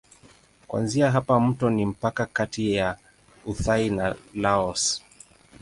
Kuanzia hapa mto ni mpaka kati ya Uthai na Laos.